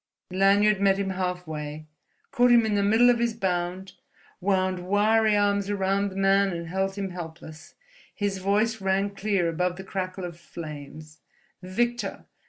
Lanyard met him halfway, caught him in the middle of his bound, wound wiry arms round the man and held him helpless. His voice rang clear above the crackle of flames: "Victor!